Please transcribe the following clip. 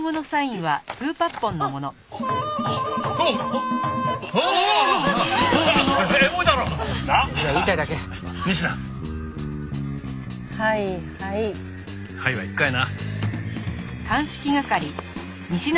「はい」は１回な。